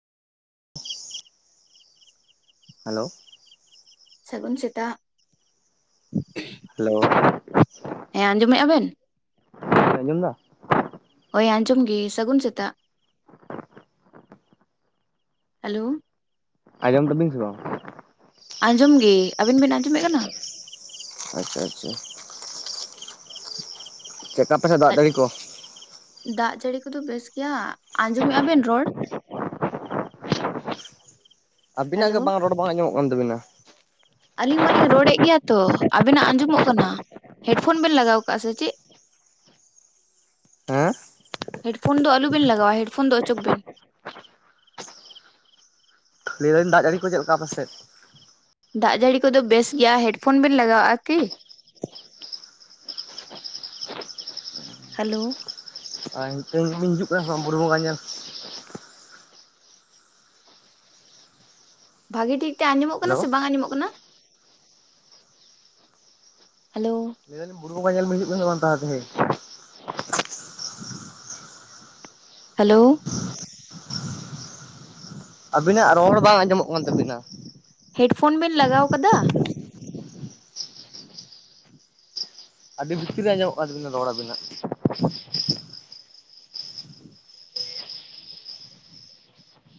Hello. ᱥᱟᱹᱜᱩᱱ ᱥᱮᱛᱟᱜ᱾ Hello. ᱦᱮᱸ ᱟᱸᱡᱚᱢᱮᱜᱼᱟ ᱵᱮᱱ? ᱟᱸᱡᱚᱢ ᱫᱟ᱾ ᱦᱳᱭ ᱟᱸᱡᱚᱢ ᱜᱮ ᱥᱟᱹᱜᱩᱱ ᱥᱮᱛᱟᱜ ᱦᱮᱞᱳ᱾ ᱟᱸᱡᱚᱢ ᱫᱟᱵᱤᱱ ᱥᱮ ᱵᱟᱝ᱾ ᱟᱸᱡᱚᱢ ᱜᱮ ᱟᱹᱵᱤᱱ ᱵᱤᱱ ᱟᱸᱡᱚᱢᱮ ᱠᱟᱱᱟ᱾ ᱟᱪᱪᱷᱟ ᱟᱪᱪᱷᱟ ᱪᱮᱫ ᱠᱟ ᱛᱟᱞᱮ ᱫᱟᱜ ᱡᱟᱲᱤ ᱠᱚ᱾ ᱫᱟᱜ ᱡᱟᱹᱲᱤ ᱠᱚᱫᱚ ᱵᱮᱥ ᱜᱮᱭᱟ ᱟᱸᱡᱚᱢᱮᱼᱟ ᱵᱮᱱ ᱨᱚᱲ᱾ ᱟᱵᱤᱱᱟᱜ ᱜᱮ ᱦᱮᱞᱳ ᱵᱟᱝ ᱨᱚᱲ ᱵᱟᱝ ᱟᱸᱡᱚᱢᱚᱜ ᱠᱟᱱ ᱛᱟᱹᱵᱤᱱᱟ᱾ ᱟᱞᱤᱧ ᱢᱟᱞᱤᱧ ᱨᱚᱲᱮᱫ ᱜᱮᱭᱟ ᱛᱚ, ᱟᱵᱮᱱᱟᱜ ᱟᱸᱡᱚᱢᱚᱜ ᱠᱟᱱᱟ ᱦᱮᱰ ᱯᱷᱳᱱ ᱵᱮᱱ ᱞᱟᱜᱟᱣ ᱟᱠᱟᱜᱼᱟ ᱥᱮ ᱪᱮᱫ᱾ [unintelligible] ᱦᱮᱸ ᱦᱮᱰ ᱯᱷᱳᱱ ᱫᱚ ᱟᱞᱚᱵᱮᱱ ᱞᱟᱜᱟᱣᱟ ᱦᱮᱰ ᱯᱷᱳᱱ ᱫᱚ ᱚᱪᱚᱜ ᱵᱮᱱ᱾ [unintelligible] ᱞᱟᱹᱭ ᱫᱟᱞᱤᱧ ᱫᱟᱜ ᱡᱟᱹᱲᱤ ᱠᱚ ᱪᱮᱫ ᱞᱮᱠᱟ ᱟᱯᱮᱥᱮᱡ᱾ ᱫᱟᱜ ᱡᱟᱹᱲᱤ ᱠᱚᱫᱚ ᱵᱮᱥ ᱜᱮᱭᱟ ᱦᱮᱰ ᱯᱷᱳᱱ ᱵᱮᱱ ᱞᱟᱜᱟᱣᱟᱜᱼᱟ ᱠᱤ᱾ ᱦᱮᱞᱳ ᱟᱨ ᱱᱤᱛ ᱵᱤᱱ ᱦᱤᱡᱩᱜ ᱠᱟᱱᱟ ᱵᱩᱨᱩ ᱵᱚᱸᱜᱟ ᱧᱮᱞ᱾ ᱵᱷᱟᱜᱤ ᱴᱷᱤᱠ ᱛᱮ ᱟᱸᱡᱚᱢᱚᱜ ᱠᱟᱱᱟ ᱦᱮᱞᱳ ᱥᱮ ᱵᱟᱝ ᱟᱸᱡᱚᱢᱚᱜ ᱠᱟᱱᱟ᱾ ᱦᱮᱞᱳ ᱞᱟᱹᱭ ᱫᱟᱞᱤᱧ ᱵᱩᱨᱩ ᱵᱟᱸᱜᱟ ᱧᱮᱞ ᱵᱤᱱ ᱛᱟ ᱛᱮᱦᱮᱧ᱾ ᱦᱮᱞᱳ ᱟᱵᱤᱱᱟᱜ ᱨᱚᱲ ᱵᱟᱝ ᱟᱸᱡᱚᱢᱚᱜ ᱠᱟᱱ ᱛᱟᱵᱤᱱᱟ᱾ ᱦᱮᱰ ᱯᱷᱳᱱ ᱵᱮᱱ ᱞᱟᱜᱟᱣ ᱠᱟᱫᱟ᱾ ᱟᱹᱰᱤ ᱵᱷᱤᱛᱤᱨ ᱨᱮ ᱟᱸᱡᱚᱜ ᱠᱟᱱ ᱛᱟᱵᱤᱱᱟ ᱨᱚᱲ ᱟᱵᱤᱱᱟᱜ᱾